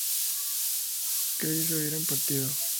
que ellos hubieran partido